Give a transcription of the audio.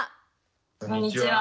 こんにちは。